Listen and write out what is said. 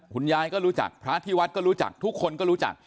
คุณยายก็รู้จักพระที่วัดก็รู้จักทุกคนก็รู้จัก